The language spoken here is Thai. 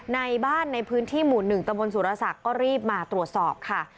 ในบ้านในพื้นที่หมู่๑ตะบนสุรศักดิ์ก็รีบมาตรวจสอบค่ะ